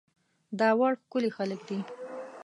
داوړ ښکلي خلک دي